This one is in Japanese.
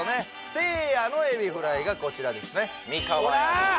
せいやのエビフライがこちらですねほら！